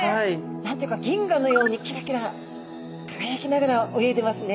何て言うか銀河のようにキラキラ輝きながら泳いでますね。